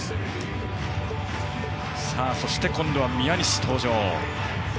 そして今度は宮西が登場。